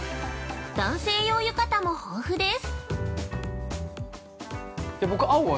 男性用浴衣も豊富です。